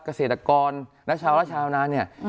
เกษตรกรและชาวนาน